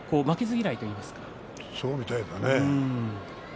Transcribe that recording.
そうみたいだね。